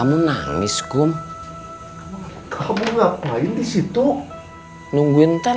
ada yang bisa mengambilku putusan untuk segera pindah